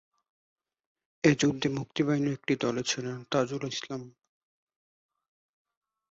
এই যুদ্ধে মুক্তিবাহিনীর একটি দলে ছিলেন তাজুল ইসলাম।